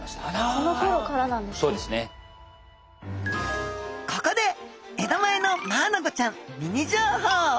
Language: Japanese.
ここで江戸前のマアナゴちゃんミニ情報！